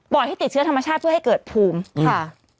ให้ติดเชื้อธรรมชาติเพื่อให้เกิดภูมิค่ะ